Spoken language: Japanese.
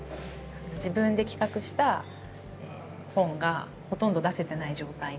自分で企画した本がほとんど出せてない状態の。